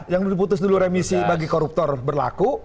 yang diputus dulu remisi bagi koruptor berlaku